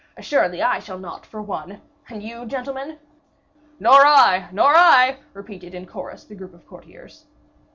Assuredly I shall not, for one; and, you, gentlemen?" "Nor I! nor I!" repeated, in a chorus, the group of courtiers.